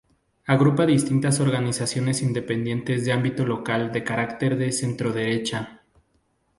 Agrupa distintas organizaciones independientes de ámbito local de carácter de centro-derecha.